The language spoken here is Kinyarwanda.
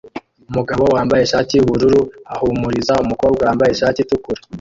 Umugabo wambaye ishati yubururu ahumuriza umukobwa wambaye ishati itukura